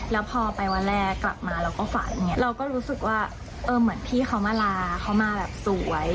แล้วพอไปวันแรกกลับมาเราก็ฝันเนี่ยเราก็รู้สึกว่าเออเหมือนพี่เขามาลาเขามาแบบสวย